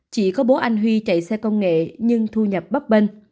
chỉ có bố anh huy chạy xe công nghệ nhưng thu nhập bắp bên